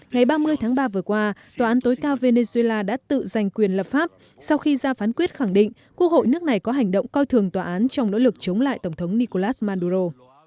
ngày ba mươi tháng ba vừa qua tòa án tối cao venezuela đã tự giành quyền lập pháp sau khi ra phán quyết khẳng định quốc hội nước này có hành động coi thường tòa án trong nỗ lực chống lại tổng thống nicolas maduro